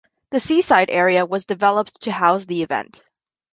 The seaside area was developed to house the event.